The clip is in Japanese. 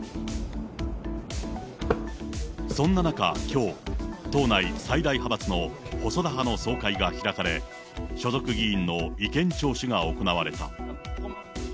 そんな中きょう、党内最大派閥の細田派の総会が開かれ、所属議員の意見聴取が行われた。